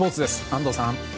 安藤さん。